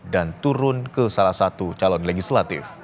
dan turun ke salah satu calon legislatif